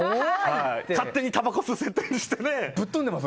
勝手にたばこ吸う設定にして。